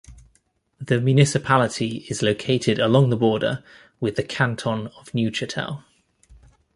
The municipality is located along the border with the Canton of Neuchatel.